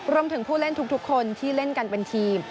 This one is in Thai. ผู้เล่นทุกคนที่เล่นกันเป็นทีม